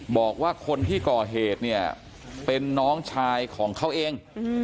บอกว่าคนที่ก่อเหตุเนี่ยเป็นน้องชายของเขาเอง